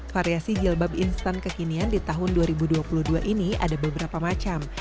variasi jilbab instan kekinian di tahun dua ribu dua puluh dua ini ada beberapa macam